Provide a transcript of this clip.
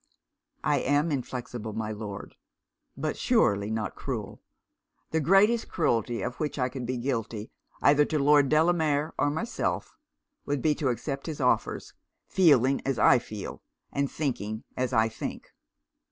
'I am inflexible, my Lord, but surely not cruel. The greatest cruelty of which I could be guilty, either to Lord Delamere or myself, would be to accept his offers, feeling as I feel, and thinking as I think.'